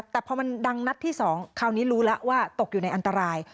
แต่พอมันดังนัดที่๒คราวนี้รู้แล้วว่าตกอยู่ในอันตราย